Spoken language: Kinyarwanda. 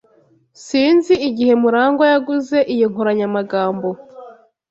Sinzi igihe Murangwa yaguze iyo nkoranyamagambo.